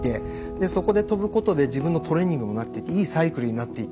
でそこで飛ぶことで自分のトレーニングにもなっていいサイクルになっていって。